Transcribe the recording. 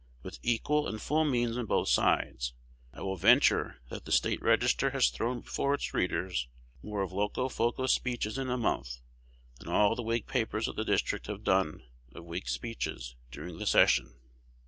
With equal and full means on both sides, I will venture that "The State Register" has thrown before its readers more of Locofoco speeches in a month than all the Whig papers of the district have done of Whig speeches during the session.